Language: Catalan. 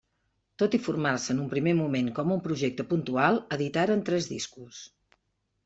Tot i formar-se en un primer moment com un projecte puntual, editaren tres discos.